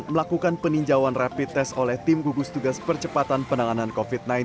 melakukan peninjauan rapid test oleh tim gugus tugas percepatan penanganan covid sembilan belas